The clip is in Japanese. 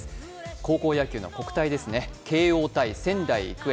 高校野球の国体ですね、慶応×仙台育英。